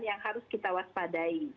yang harus kita waspadai